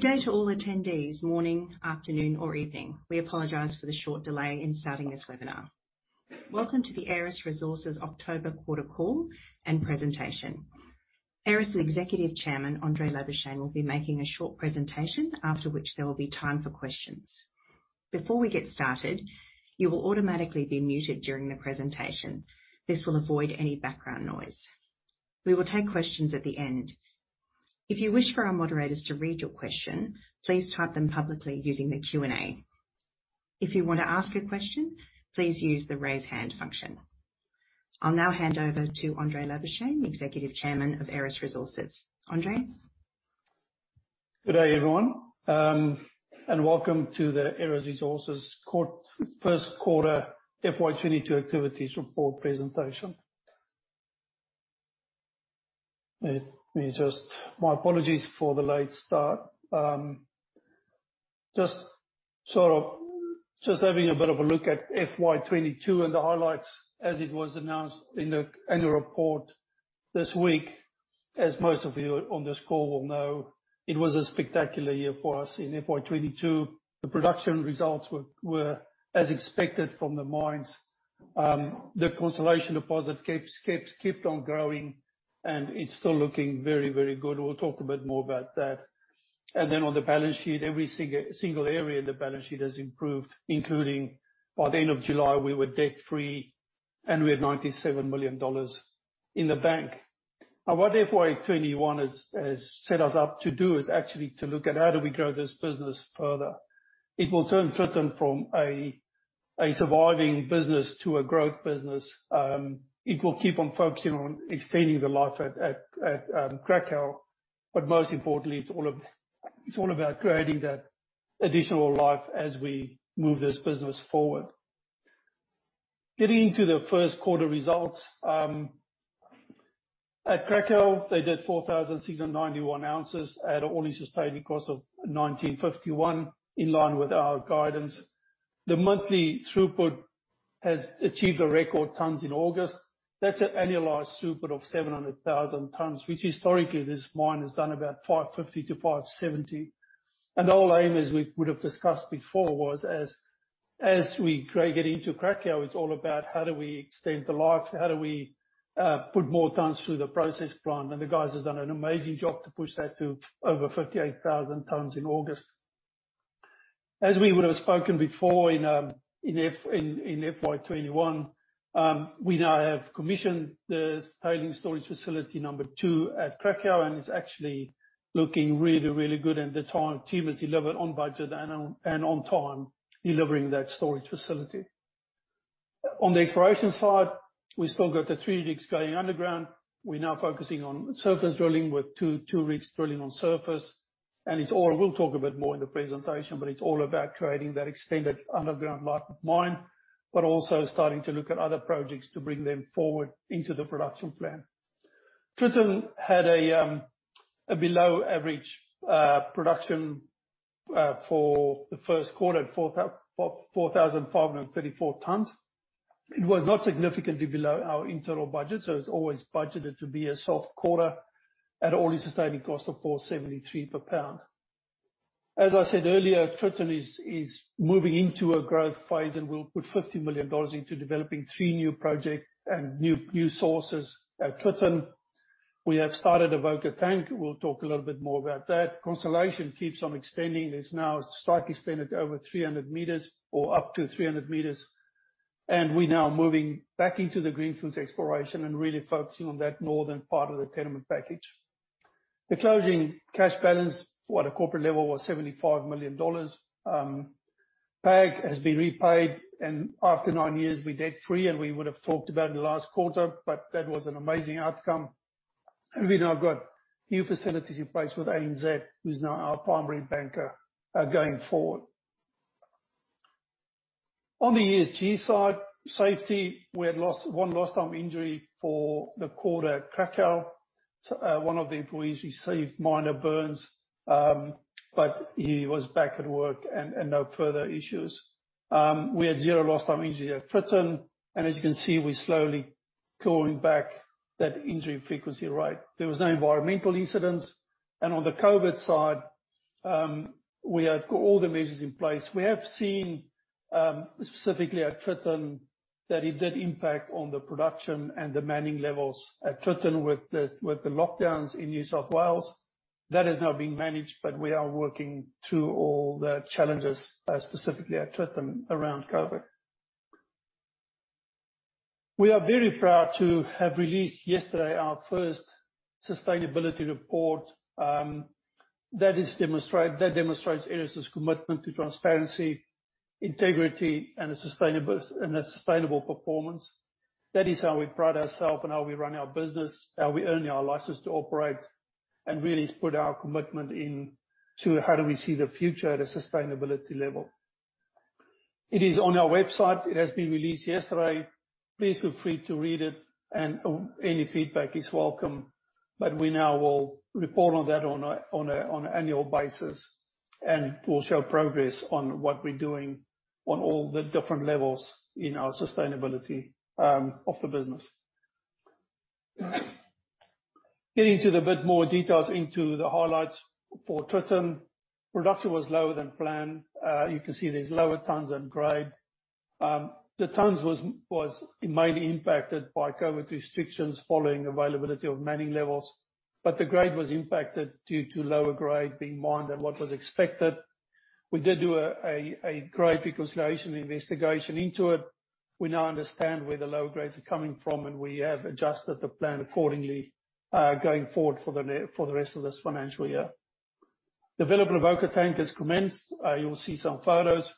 Good day to all attendees, morning, afternoon or evening. We apologize for the short delay in starting this webinar. Welcome to the Aeris Resources October Quarter Call and Presentation. Aeris's Executive Chairman, André Labuschagne, will be making a short presentation, after which there will be time for questions. Before we get started, you will automatically be muted during the presentation. This will avoid any background noise. We will take questions at the end. If you wish for our moderators to read your question, please type them publicly using the Q&A. If you want to ask a question, please use the Raise Hand function. I'll now hand over to André Labuschagne, the Executive Chairman of Aeris Resources. Andre. Good day, everyone, and welcome to the Aeris Resources First Quarter FY 2022 Activities Report Presentation. My apologies for the late start. Just having a bit of a look at FY 2022 and the highlights as it was announced in the annual report this week. As most of you on this call will know, it was a spectacular year for us in FY 2022. The production results were as expected from the mines. The Constellation deposit kept on growing, and it's still looking very, very good. We'll talk a bit more about that. On the balance sheet, every single area in the balance sheet has improved, including by the end of July, we were debt-free and we had 97 million dollars in the bank. Now, what FY 2021 has set us up to do is actually to look at how do we grow this business further. It will turn Tritton from a surviving business to a growth business. It will keep on focusing on extending the life at Cracow, but most importantly, it's all about creating that additional life as we move this business forward. Getting to the first quarter results at Cracow, they did 4,691 ounces at an all-in sustaining cost of 1,951, in line with our guidance. The monthly throughput has achieved a record tons in August. That's an annualized throughput of 700,000 tons, which historically this mine has done about 550-570. Our aim, as we would have discussed before, was as we get into Cracow, it's all about how do we extend the life, how do we put more tons through the process plant. The guys has done an amazing job to push that to over 58,000 tons in August. As we would have spoken before in FY 2021, we now have commissioned the tailings storage facility number two at Cracow, and it's actually looking really, really good. The team has delivered on budget and on time, delivering that storage facility. On the exploration side, we still got the 3 rigs going underground. We're now focusing on surface drilling with two rigs drilling on surface. We'll talk a bit more in the presentation, but it's all about creating that extended underground life of mine, but also starting to look at other projects to bring them forward into the production plan. Tritton had a below average production for the first quarter at 4,534 tons. It was not significantly below our internal budget, so it's always budgeted to be a soft quarter at all-in sustaining cost of $473 per pound. As I said earlier, Tritton is moving into a growth phase, and we'll put 50 million dollars into developing three new projects and new sources at Tritton. We have started Avoca Tank. We'll talk a little bit more about that. Constellation keeps on extending. There's now a strike extended over 300 meters or up to 300 meters. We're now moving back into the greenfield exploration and really focusing on that northern part of the tenement package. The closing cash balance at a corporate level was 75 million dollars. PAG has been repaid, and after nine years, we're debt-free, and we would have talked about in the last quarter, but that was an amazing outcome. We've now got new facilities in place with ANZ, who's now our primary banker, going forward. On the ESG side, safety, we had 1 lost time injury for the quarter at Cracow. One of the employees received minor burns, but he was back at work and no further issues. We had zero lost time injury at Tritton, and as you can see, we're slowly clawing back that injury frequency rate. There was no environmental incidents. On the COVID side, we have got all the measures in place. We have seen, specifically at Tritton, that it did impact on the production and the manning levels at Tritton with the lockdowns in New South Wales. That is now being managed, but we are working through all the challenges, specifically at Tritton around COVID. We are very proud to have released yesterday our first sustainability report. That demonstrates Aeris' commitment to transparency, integrity, and a sustainable performance. That is how we pride ourself and how we run our business, how we earn our license to operate, and really has put our commitment in to how do we see the future at a sustainability level. It is on our website. It has been released yesterday. Please feel free to read it and any feedback is welcome. We now will report on that on annual basis, and we'll show progress on what we're doing on all the different levels in our sustainability of the business. Getting to the bit more details into the highlights for Tritton. Production was lower than planned. You can see there's lower tonnes and grade. The tonnes was mainly impacted by COVID restrictions following availability of mining levels, but the grade was impacted due to lower grade being mined than what was expected. We did do a grade reconciliation investigation into it. We now understand where the lower grades are coming from, and we have adjusted the plan accordingly, going forward for the rest of this financial year. Development of Avoca Tank has commenced. You will see some photos.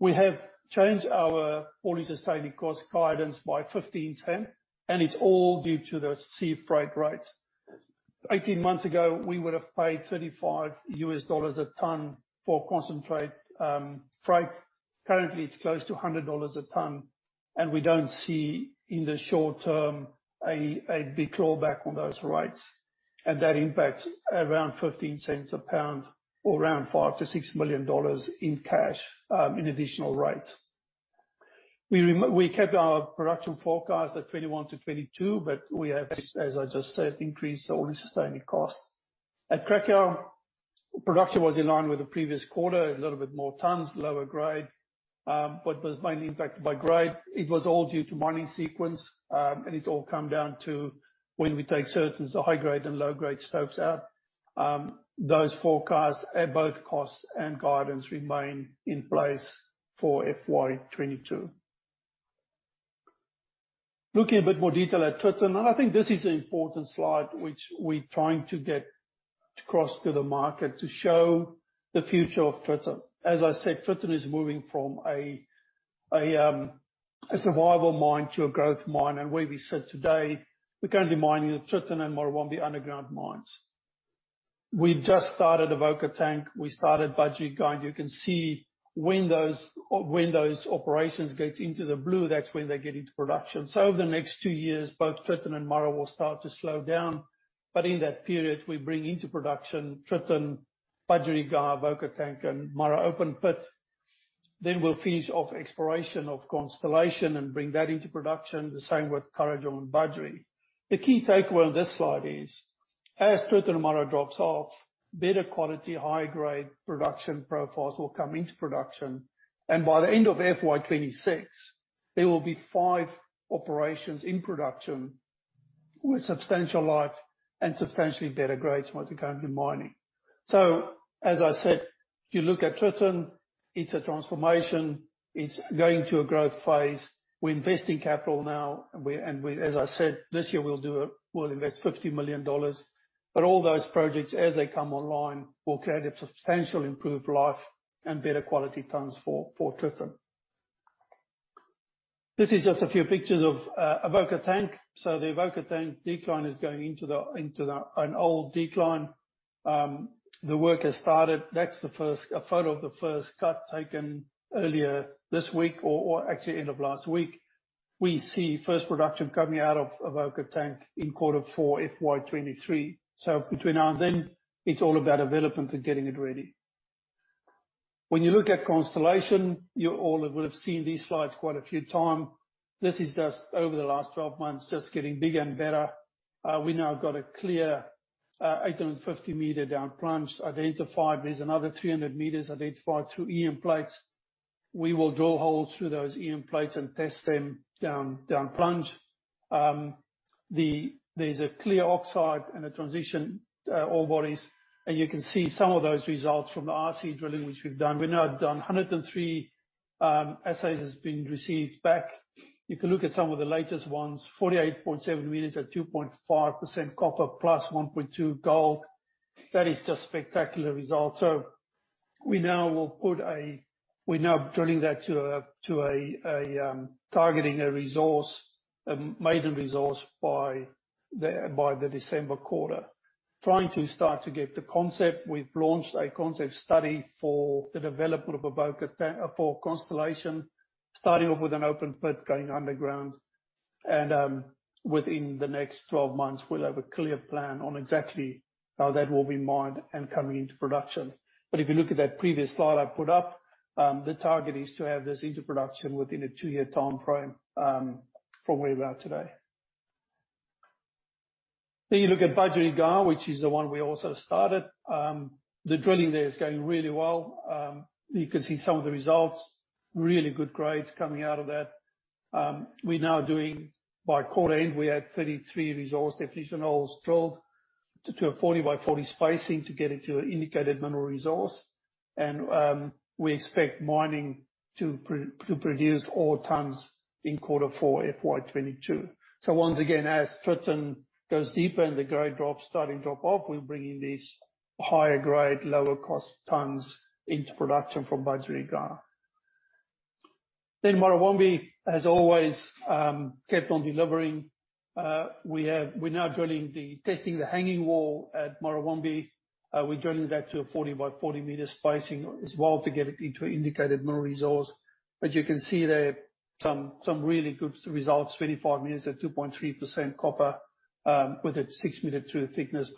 We have changed our all-in sustaining cost guidance by 15 cents, and it's all due to the sea freight rates. Eighteen months ago, we would have paid $35 a tonne for concentrate freight. Currently, it's close to $100 a tonne, and we don't see in the short term a big drawback on those rates. That impacts around 15 cents a pound or around $5 million-$6 million in cash in additional rates. We kept our production forecast at 21-22, but we have, as I just said, increased all-in sustaining costs. At Cracow, production was in line with the previous quarter, a little bit more tonnes, lower grade. But was mainly impacted by grade. It was all due to mining sequence, and it's all come down to when we take certain high-grade and low-grade stopes out. Those forecasts for both costs and guidance remain in place for FY 2022. Looking in a bit more detail at Tritton. I think this is an important slide which we're trying to get across to the market to show the future of Tritton. As I said, Tritton is moving from a survival mine to a growth mine. Where we sit today, we're currently mining at Tritton and Murrawombie underground mines. We just started Avoca Tank. We started Budgerygar. You can see when those operations get into the blue, that's when they get into production. Over the next two years, both Tritton and Murrawombie will start to slow down. In that period, we bring into production Tritton, Budgerygar, Avoca Tank and Murrawombie open pit. We'll finish off exploration of Constellation and bring that into production. The same with Courageous and Budgerygar. The key takeaway on this slide is, as Tritton and Murrawombie drops off, better quality, high grade production profiles will come into production. By the end of FY 2026, there will be five operations in production with substantial life and substantially better grades we're going to be mining. As I said, if you look at Tritton, it's a transformation. It's going to a growth phase. We're investing capital now. As I said, this year, we'll invest 50 million dollars. All those projects as they come online will create a substantial improved life and better quality tonnes for Tritton. This is just a few pictures of Avoca Tank. The Avoca Tank decline is going into an old decline. The work has started. That's a photo of the first cut taken earlier this week or actually end of last week. We see first production coming out of Avoca Tank in Q4, FY 2023. Between now and then, it's all about development and getting it ready. When you look at Constellation, you all would have seen these slides quite a few times. This is just over the last 12 months, just getting bigger and better. We now got a clear 850-meter down plunge identified. There's another 300 meters identified through EM plates. We will draw holes through those EM plates and test them down plunge. There's a clear oxide and a transition ore bodies. You can see some of those results from the RC drilling, which we've done. We've now done 103 assays has been received back. You can look at some of the latest ones, 48.7 meters at 2.5% copper + 1.2 gold. That is just spectacular results. We now will put a-- we're now drilling that to a targeting a resource, a maiden resource by the December quarter. Trying to start to get the concept. We've launched a concept study for the development of Constellation, starting off with an open pit going underground. Within the next 12 months, we'll have a clear plan on exactly how that will be mined and coming into production. If you look at that previous slide I put up, the target is to have this into production within a two-year timeframe from where we are today. You look at Budgerygar, which is the one we also started. The drilling there is going really well. You can see some of the results. Really good grades coming out of that. By quarter end, we had 33 resource definition holes drilled to a 40 by 40 spacing to get it to an Indicated Mineral Resource. We expect mining to produce ore tonnes in quarter four, FY 2022. Once again, as Tritton goes deeper and the grade drops, starting to drop off, we bring in these higher grade, lower cost tonnes into production from Budgerygar. Murrawombie, as always, kept on delivering. We're now testing the hanging wall at Murrawombie. We're drilling that to a 40 by 40 meter spacing as well to get it into Indicated Mineral Resource. You can see there some really good results, 25 meters at 2.3% copper, with a six-meter true thickness.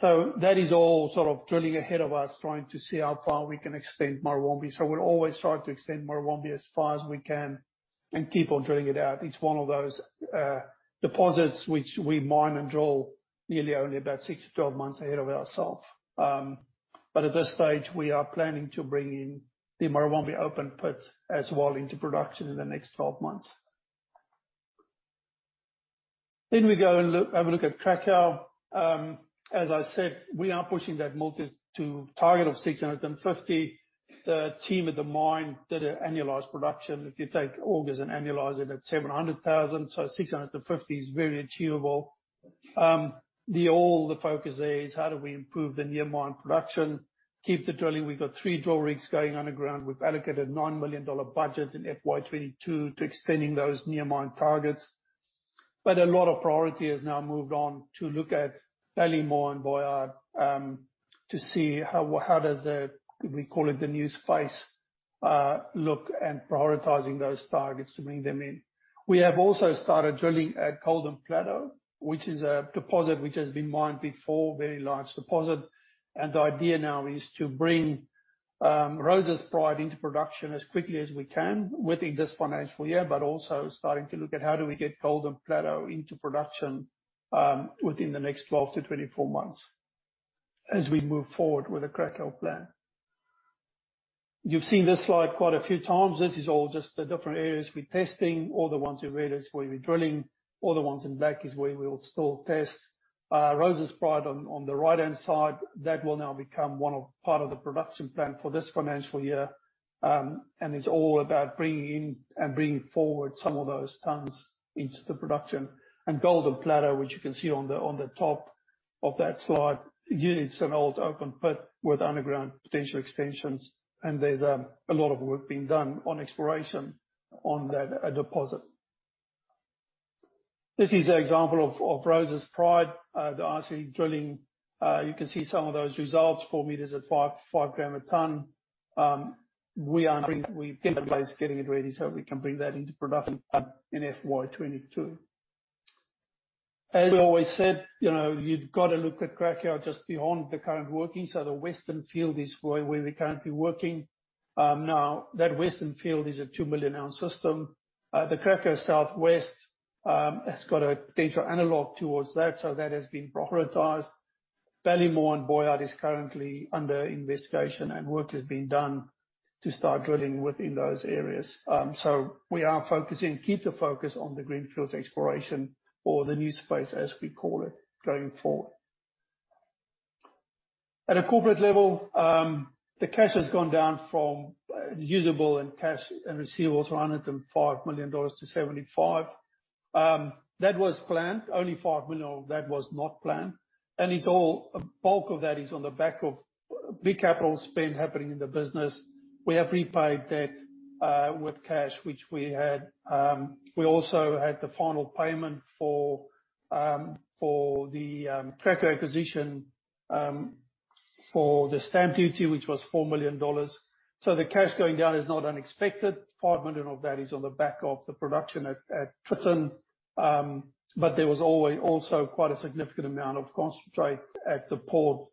That is all sort of drilling ahead of us, trying to see how far we can extend Murrawombie. We're always trying to extend Murrawombie as far as we can and keep on drilling it out. It's one of those deposits which we mine and drill nearly only about six to 12 months ahead of ourself. At this stage, we are planning to bring in the Morwong open pit as well into production in the next 12 months. We go and have a look at Cracow. As I said, we are pushing that multi to target of 650. The team at the mine did an annualized production. If you take August and annualize it at 700,000, so 650 is very achievable. The focus there is how do we improve the near mine production, keep the drilling. We've got three drill rigs going underground. We've allocated 9 million dollar budget in FY 2022 to extending those near mine targets. A lot of priority has now moved on to look at Ballymore and Boughyard, to see how does the, we call it, the new space look and prioritizing those targets to bring them in. We have also started drilling at Golden Plateau, which is a deposit which has been mined before, very large deposit. The idea now is to bring Roses Pride into production as quickly as we can within this financial year, but also starting to look at how do we get Golden Plateau into production within the next 12-24 months as we move forward with the Cracow plan. You've seen this slide quite a few times. This is all just the different areas we're testing. All the ones in red is where we're drilling. All the ones in black is where we will still test. Roses Pride on the right-hand side, that will now become part of the production plan for this financial year, and it's all about bringing in and bringing forward some of those tons into the production. Golden Plateau, which you can see on the top of that slide, again, it's an old open pit with underground potential extensions, and there's a lot of work being done on exploration on that deposit. This is an example of Roses Pride, the RC drilling. You can see some of those results, four meters at five grams a ton. We're getting it ready so we can bring that into production in FY 2022. As we always said, you know, you've got to look at Cracow just beyond the current working. The Western field is where we're currently working. Now that Western field is a 2 million ounce system. The Cracow Southwest has got a potential analog towards that, so that has been prioritized. Ballymore and Boughyard is currently under investigation, and work has been done to start drilling within those areas. We are focusing, keep the focus on the greenfield exploration or the new space, as we call it, going forward. At a corporate level, the cash has gone down from usable and cash and receivables, 105 million dollars to 75 million. That was planned. Only 5 million of that was not planned. Bulk of that is on the back of big capital spend happening in the business. We have repaid debt with cash, which we had. We also had the final payment for the Cracow acquisition for the stamp duty, which was 4 million dollars. The cash going down is not unexpected. 5 million of that is on the back of the production at Tritton, but there was also quite a significant amount of concentrate at the port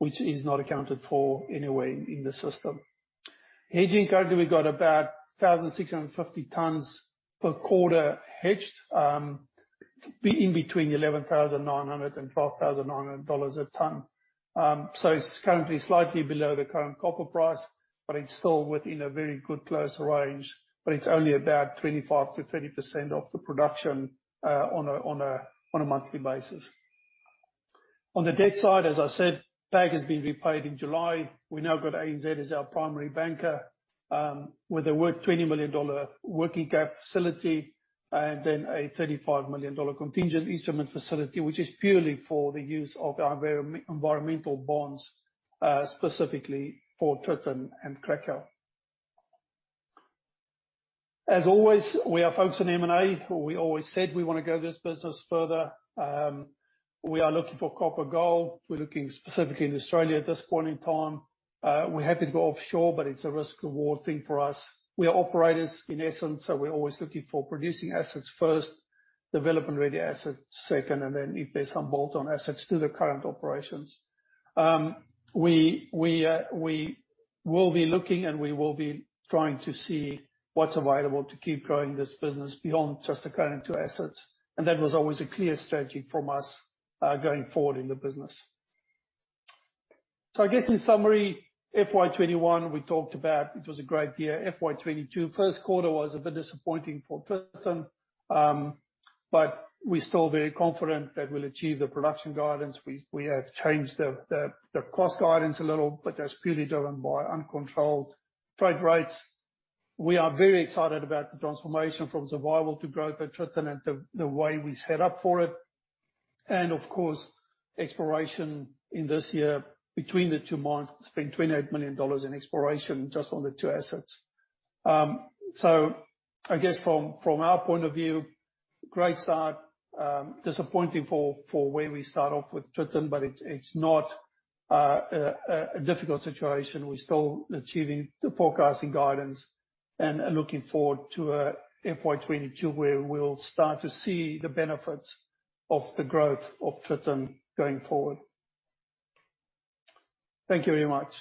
which is not accounted for in a way in the system. Hedging currently, we've got about 1,650 tons per quarter hedged, being between $11,900 and $12,900 a ton. So it's currently slightly below the current copper price, but it's still within a very good close range, but it's only about 25%-30% of the production on a monthly basis. On the debt side, as I said, PAG has been repaid in July. We now got ANZ as our primary banker, with our 20 million dollar working cap facility and then a 35 million dollar contingent instrument facility, which is purely for the use of environmental bonds, specifically for Tritton and Cracow. As always, we are focusing on M&A. We always said we wanna grow this business further. We are looking for copper gold. We're looking specifically in Australia at this point in time. We're happy to go offshore, but it's a risk reward thing for us. We are operators in essence, so we're always looking for producing assets first, development-ready assets second, and then if there's some bolt-on assets to the current operations. We will be looking, and we will be trying to see what's available to keep growing this business beyond just the current two assets. That was always a clear strategy from us, going forward in the business. I guess in summary, FY 2021 we talked about it was a great year. FY 2022, first quarter was a bit disappointing for Tritton, but we're still very confident that we'll achieve the production guidance. We have changed the cost guidance a little, but that's purely driven by uncontrolled exchange rates. We are very excited about the transformation from survival to growth at Tritton and the way we set up for it. Of course, exploration in this year between the two mines, spend 28 million dollars in exploration just on the two assets. I guess from our point of view, great start, disappointing for where we start off with Tritton, but it's not a difficult situation. We're still achieving the forecasting guidance and looking forward to FY 2022, where we'll start to see the benefits of the growth of Tritton going forward. Thank you very much.